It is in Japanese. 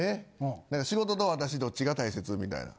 仕事と私どっちが大切みたいな。